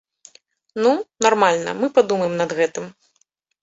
Ну, нармальна, мы падумаем над гэтым.